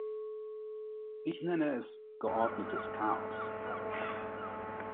Ich nenne es geordnetes Chaos.